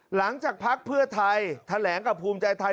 หลังจากพักเพื่อไทยแถลงกับภูมิใจไทย